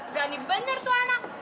gani bener tuh anak